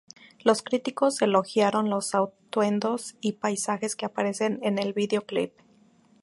Los críticos elogiaron los atuendos y paisajes que aparecen en el videoclip.